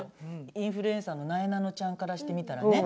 インフルエンサーのなえなのちゃんからしてみたらね